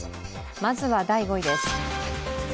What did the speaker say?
まずは第５位です。